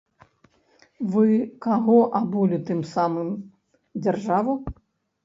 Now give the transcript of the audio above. Вы каго абулі тым самым, дзяржаву?